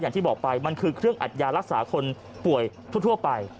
อย่างที่บอกไปมันคือเครื่องอัดยารักษาคนป่วยทั่วไป